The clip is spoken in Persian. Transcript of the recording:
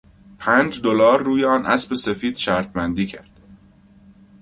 پنج دلار روی آن اسب سفید شرط بندی کرد.